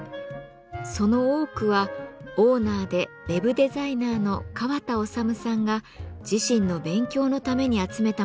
その多くはオーナーでウェブデザイナーの川田修さんが自身の勉強のために集めた物でした。